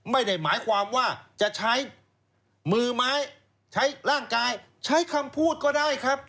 ไม่ได้หมายความว่าจะใช้มือไม้ใช้ร่างกายใช้คำพูดก็ได้ครับ